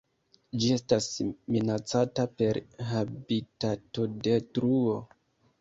Ĝi estas minacata per habitatodetruo.